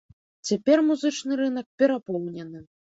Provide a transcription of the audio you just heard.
Цяпер музычны рынак перапоўнены.